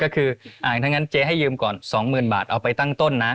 ถ้างั้นเจ๊ให้ยืมก่อน๒หมื่นบาทเอาไปตั้งต้นนะ